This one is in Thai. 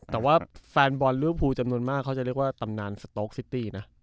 แต่ว่าแฟนบอลลิวภูจำนวนมากเขาจะเรียกว่าตำนานสโต๊กซิตี้นะ